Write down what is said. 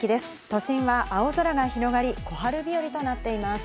都心は青空が広がり小春日和となっています。